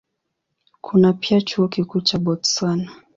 Kuna pia Chuo Kikuu cha Botswana.